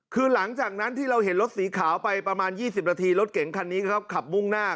คือหลังจากนั้นที่เราเห็นรถสีขาวไปประมาณ๒๐นาทีรถเก๋งคันนี้เขาขับมุ่งหน้า